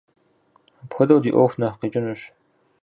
Апхуэдэу ди ӏуэху нэхъ къикӏынущ.